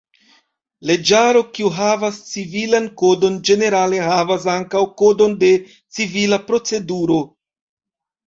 Leĝaro kiu havas civilan kodon ĝenerale havas ankaŭ kodon de civila proceduro.